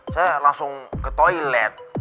saya langsung ke toilet